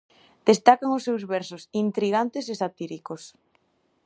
Destacan os seus versos intrigantes e satíricos.